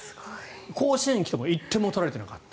甲子園に来ても１点も取られてなかった。